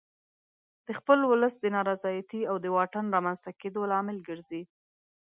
د خپل ولس د نارضایتي او د واټن رامنځته کېدو لامل ګرځي.